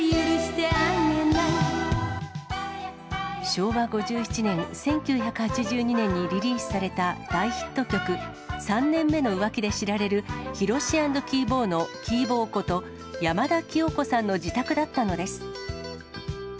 昭和５７年・１９８２年にリリースされた大ヒット曲、３年目の浮気で知られるヒロシ＆キーボーのキーボーこと山田喜代子さんの自宅だったのです。